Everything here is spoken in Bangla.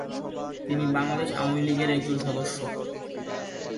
তিনি বাংলাদেশ আওয়ামী লীগের একজন সদস্য।